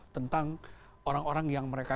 tentang orang orang yang mereka